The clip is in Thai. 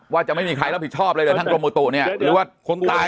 ว่าจะไม่มีใครเลื่อนผิดชอบเลยกับท่านกรมอุตสุนิยมหรือว่าคนตาย